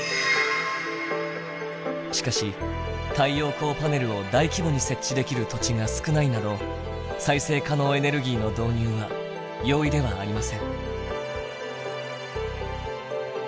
しかし太陽光パネルを大規模に設置できる土地が少ないなど再生可能エネルギーの導入は容易ではありません。